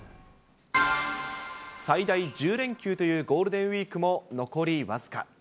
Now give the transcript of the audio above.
最大１０連休というゴールデンウィークも、残り僅か。